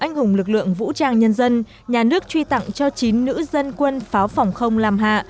anh hùng lực lượng vũ trang nhân dân nhà nước truy tặng cho chín nữ dân quân pháo phòng không làm hạ